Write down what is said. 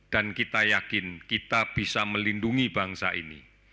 dan kita yakin kita bisa melindungi bangsa ini